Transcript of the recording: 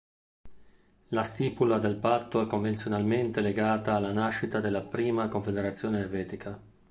La stipula del patto è convenzionalmente legata alla nascita della Prima confederazione elvetica.